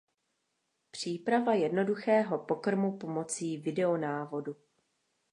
Příprava jednoduchého pokrmu pomocí videonávodu.